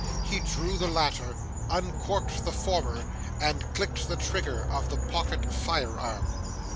He drew the latter, uncorked the former, and clicked the trigger of the pocket fire arm.